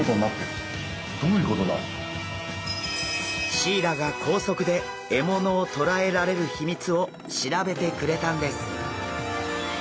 シイラが高速で獲物をとらえられる秘密を調べてくれたんです。